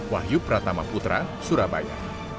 wahyu pratama putra surabaya